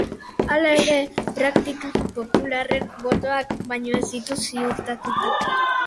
Hala ere, praktikan popularren botoak baino ez ditu ziurtatuta.